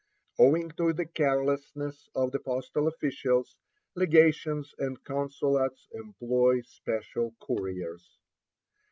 Owing to the carelessness of the postal officials, legations and consulates employ special couriers.